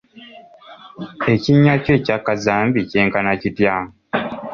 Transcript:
Ekinnya kyo ekya kazambi kyenkana kitya?